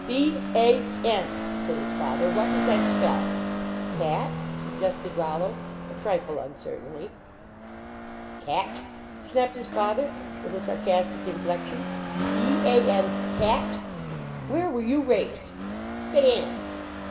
"B a n," said his father, "what does that spell? " "Cat?" suggested Rollo, a trifle uncer tainly. " Cat? " snapped his father, with a sar castic inflection, " b a n, cat! Where were you raised ? Ban